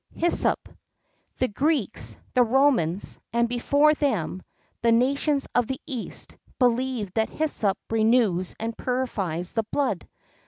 [X 20] HYSSOP. The Greeks, the Romans and before them, the nations of the east[X 21] believed that hyssop renews and purifies the blood.